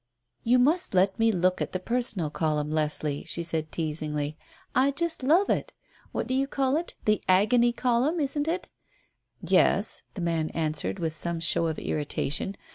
"You must let me look at the personal column, Leslie," she said teasingly, "I just love it. What do you call it? The 'Agony' column, isn't it?" "Yes," the man answered, with some show of irritation.